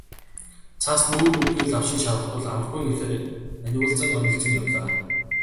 Цас нүүр нүдгүй лавшин шавах тул аргагүйн эрхээр анивалзан онилзон явлаа.